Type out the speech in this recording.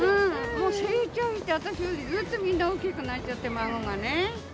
もう成長しちゃって、私よりみんな大きくなっちゃってね、孫がね。